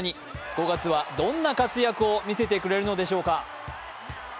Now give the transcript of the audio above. ５月はどんな活躍を見せてくれるのでしょうか。